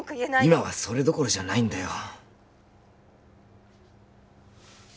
今はそれどころじゃないんだよ